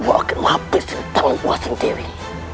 aku akan menghabiskan tanganku sendiri